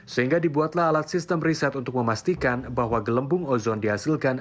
sehingga dibuatlah alat sistem riset untuk memastikan bahwa gelembung ozon dihasilkan